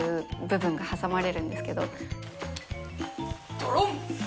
ドロン！